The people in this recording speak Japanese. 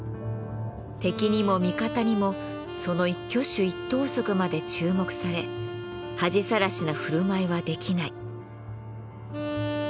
敵にも味方にもその一挙手一投足まで注目され恥さらしな振る舞いはできない。